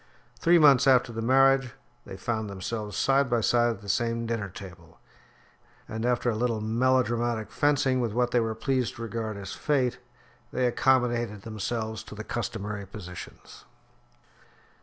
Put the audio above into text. Three months after the marriage they found themselves side by side at the same dinner table; and after a little melodramatic fencing with what they were pleased to regard as fate, they accommodated themselves to the customary positions.